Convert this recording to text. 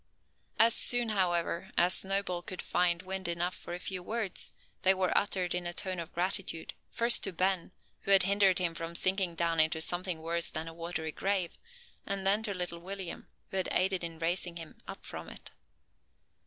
As soon, however, as Snowball could find wind enough for a few words, they were uttered in a tone of gratitude, first to Ben, who had hindered him from sinking down into something worse than a watery grave; and then to little William, who had aided in raising him up from it.